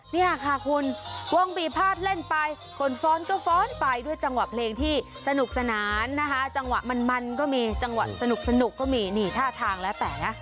นี่ค่ะคุณวงบีพาดเล่นไปคนฟ้อนก็ฟ้อนไปด้วยจังหวะเพลงที่สนุกสนานนะคะจังหวะมันก็มีจังหวะสนุกก็มีนี่ท่าทางแล้วแต่นะ